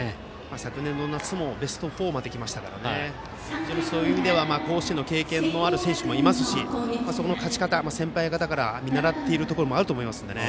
昨年の夏もベスト４まで来ましたからそういう意味では甲子園の経験もある選手もいますしその勝ち方、先輩から見習っているところもあるでしょうからね。